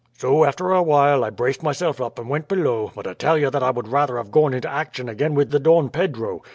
So after awhile I braced myself up and went below, but I tell you that I would rather have gone into action again with the Don Pedro.